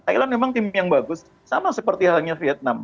thailand memang tim yang bagus sama seperti halnya vietnam